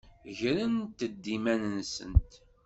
Grent-d iman-nsent.